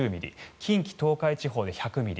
近畿・東海地方で１００ミリ